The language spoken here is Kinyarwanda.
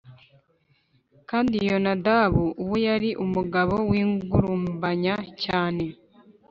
kandi Yonadabu uwo yari umugabo w’ingurumbanya cyane.